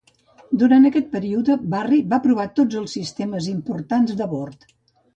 Durant aquest període, "Barry" va provar tots els sistemes importants de bord.